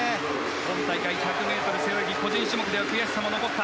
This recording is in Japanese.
今大会１００ｍ個人種目では悔しさも残った。